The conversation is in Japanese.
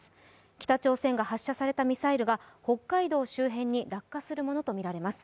北朝鮮が発射されたミサイルが北海道周辺に落下するものとみられます。